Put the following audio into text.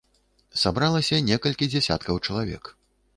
Сабралася некалькі дзясяткаў чалавек.